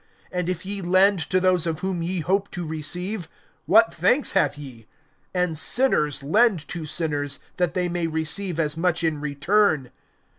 (34)And if ye lend to those of whom ye hope to receive, what thanks have ye? And sinners lend to sinners, that they may receive as much in return.